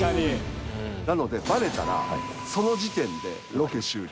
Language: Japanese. なのでバレたらその時点でロケ終了。